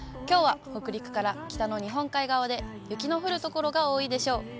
きょうは北陸から北の日本海側で雪の降る所が多いでしょう。